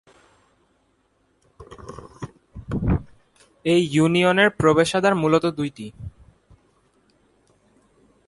এই ইউনিয়নের প্রবেশদ্বার মূলত দুইটি।